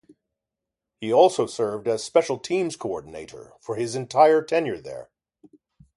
He also served as special teams coordinator for his entire tenure there.